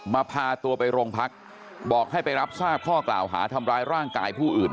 พาตัวไปโรงพักบอกให้ไปรับทราบข้อกล่าวหาทำร้ายร่างกายผู้อื่น